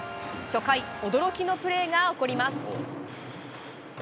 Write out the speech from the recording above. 初回、驚きのプレーが起こります。